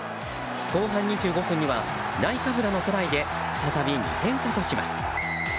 後半２５分にはナイカブラのトライで再び２点差とします。